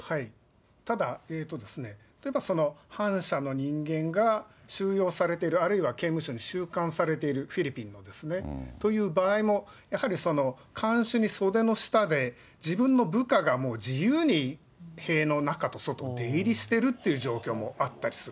ただ、例えば反社の人間が収容されている、あるいは刑務所に収監されている、フィリピンのですね、という場合も、やはり看守に、袖の下で、自分の部下が、もう自由に塀の中と外を出入りしてるっていう状況もあったりする